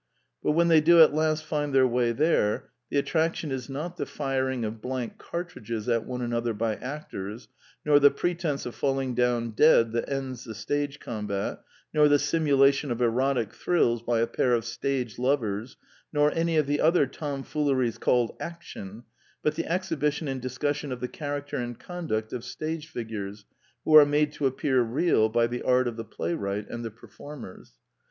But when they do at last find their way there, the attraction is not the firing of blank cartridges at one another by actors, nor the pretence of falling down dead that ends the stage combat, nor the simulation of erotic thrills by a pair of stage lovers, nor any of the other tomfooleries called action, but the exhibition and discussion of the character and conduct of stage figures who are made to appear real by the art of the play wright and the performers.